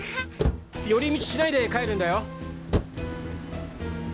寄り道しないで帰るんだよ。